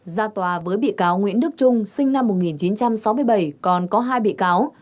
ra tòa với bị cáo nguyễn đức trung sinh năm một nghìn chín trăm sáu mươi bảy còn có hai bị cáo